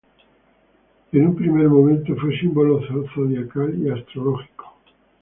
En un primer momento, fue símbolo zodiacal y astrológico.